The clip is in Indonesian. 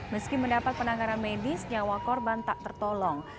meski mendapat penanganan medis nyawa korban tak tertolong